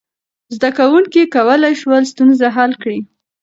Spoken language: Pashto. زده کوونکي کولی شول ستونزه حل کړي.